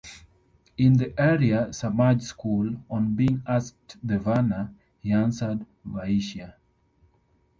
In the Arya Samaj school, on being asked the 'Varna', he answered - 'Vaishya'.